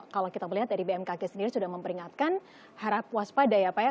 kalau kita melihat dari bmkg sendiri sudah memperingatkan harap waspada ya pak ya